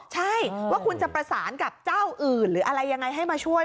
ใช่ว่าคุณจะประสานกับเจ้าอื่นหรืออะไรยังไงให้มาช่วย